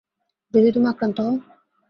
যদি তুমিও আক্রান্ত হও?